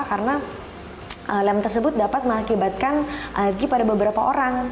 karena lem tersebut dapat mengakibatkan alergi pada beberapa orang